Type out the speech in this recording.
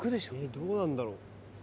どうなんだろう？